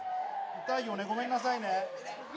痛いよね、ごめんなさいね。